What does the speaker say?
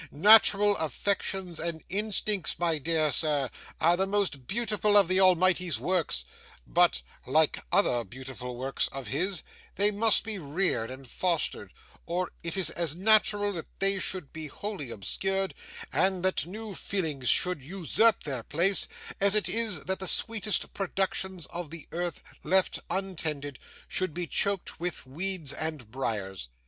Natural affections and instincts, my dear sir, are the most beautiful of the Almighty's works, but like other beautiful works of His, they must be reared and fostered, or it is as natural that they should be wholly obscured, and that new feelings should usurp their place, as it is that the sweetest productions of the earth, left untended, should be choked with weeds and briers.